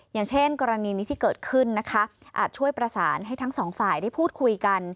อย่างเช่นกรณีนี้ที่เกิดขึ้นนะคะอาจช่วยประสานให้ทั้งสองฝ่ายได้พูดคุยกัน